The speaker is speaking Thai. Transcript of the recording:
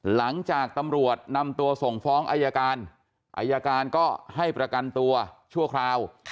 หลังจากตำรวจนำตัวส่งฟ้องอายการอายการก็ให้ประกันตัวชั่วคราว